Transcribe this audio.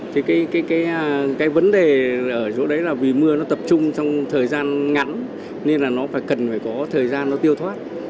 thì cái vấn đề ở chỗ đấy là vì mưa nó tập trung trong thời gian ngắn nên là nó phải cần phải có thời gian nó tiêu thoát